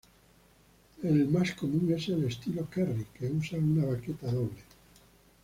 El más común es el ""estilo Kerry"", que usa una baqueta doble.